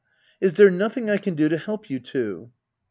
Is there nothing I can do to help you two